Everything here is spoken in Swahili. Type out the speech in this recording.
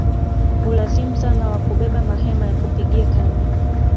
Hulazimu sana wa kubeba mahema ya kupigia kambi